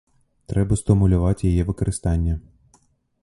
Трэба стымуляваць яе выкарыстанне.